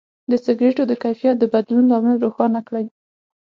د سکروټي د کیفیت د بدلون لامل روښانه کړئ.